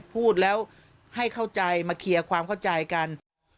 พูดแล้วให้เข้าใจมาเคลียร์ความเข้าใจกัน